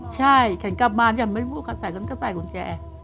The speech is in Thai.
ใช่ฉันกลับมาฉันก็ใส่กุญแจ